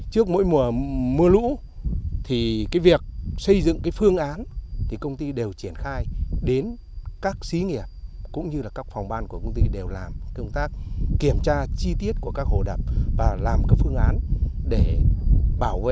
trước mỗi mùa mưa lũ việc xây dựng phương án công ty đều triển khai đến các sĩ nghiệp cũng như các phòng ban của công ty đều làm công tác kiểm tra chi tiết của các hồ đập và làm các phương án để bảo vệ